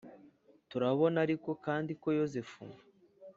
turabona ariko kandi ko yozefu